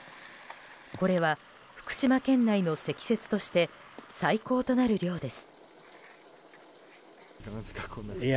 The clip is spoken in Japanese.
これは、福島県内の積雪として最高となる量です。